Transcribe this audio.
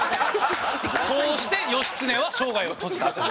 こうして義経は生涯を閉じた。